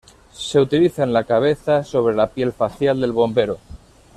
Se utiliza en la cabeza sobre la pieza facial del bombero.